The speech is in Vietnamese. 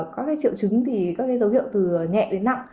các triệu chứng thì các dấu hiệu từ nhẹ đến nặng